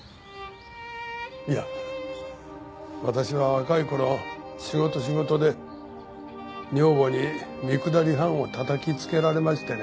いや私は若い頃仕事仕事で女房に三行半を叩きつけられましてね。